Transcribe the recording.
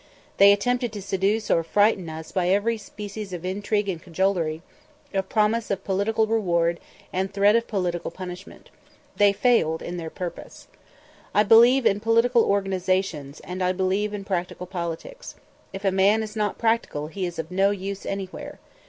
They attempted to seduce or frighten us by every species of intrigue and cajolery, of promise of political reward and threat of political punishment. They failed in their purpose. I believe in political organizations, and I believe in practical politics. If a man is not practical, he is of no use anywhere.